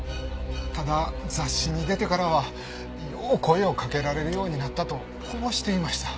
ただ雑誌に出てからはよう声をかけられるようになったとこぼしていました。